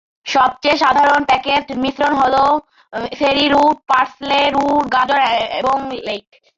সবচেয়ে সাধারণ, প্যাকেজড মিশ্রন হল সেরি রুট, পার্সলে রুট, গাজর এবং লেইক।